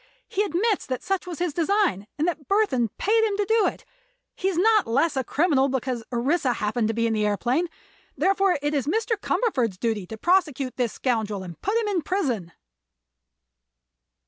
He admits that such was his design and that Burthon paid him to do it. He is not less a criminal because Orissa happened to be in the aëroplane. Therefore it is Mr. Cumberford's duty to prosecute this scoundrel and put him in prison."